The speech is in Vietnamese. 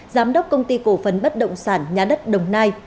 giám đốc công ty cổ phấn bất động sản nhà đất đồng nai